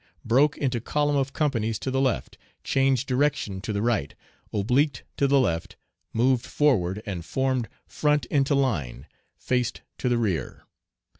Broke into column of companies to the left, changed direction to the right, obliqued to the left, moved forward and formed "front into line, faced to the rear."